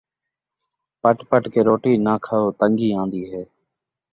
پٹ پٹ کے روٹی ناں کھاو، تنگی آندی ہے